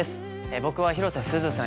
僕は広瀬すずさん